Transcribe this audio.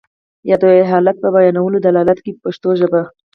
یا د یو حالت په بیانولو دلالت کوي په پښتو ژبه.